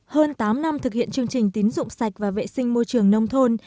hơn tám năm thực hiện chương trình tín dụng sạch và vệ sinh môi trường nông thôn